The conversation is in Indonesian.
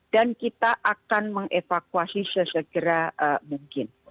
dan kita akan mengevakuasi sesegera mungkin